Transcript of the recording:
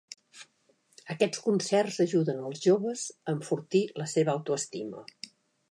Aquests concerts ajuden als joves a enfortir la seva autoestima.